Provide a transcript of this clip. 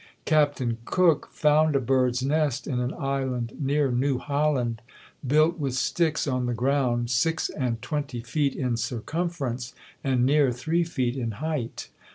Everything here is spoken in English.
Captain Cook found a bird's nest in an island near New Holland, built with sticks on the ground, six and twenty feet in circumference, and near three feet in height.